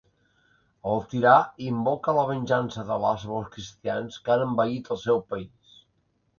El tirà invoca la venjança d'Al·là sobre els cristians, que han envaït el seu país.